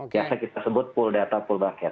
biasanya kita sebut pool data pool bucket